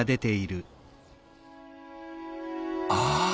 ああ！